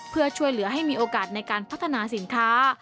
เพื่อช่วยเหลือให้มีโอกาสในการพัฒนาสินค้า